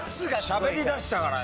しゃべりだしたから。